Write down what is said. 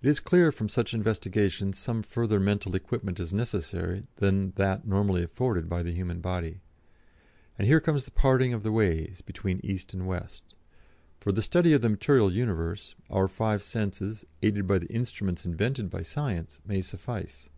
"It is clear that from such investigations some further mental equipment is necessary than that normally afforded by the human body. And here comes the parting of the ways between East and West. For the study of the material universe, our five senses, aided by the instruments invented by Science, may suffice.